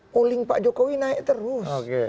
calling pak jokowi naik terus